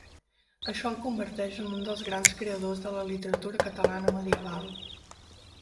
Això el converteix en un dels grans creadors de la literatura catalana medieval.